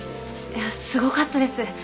すごかったです。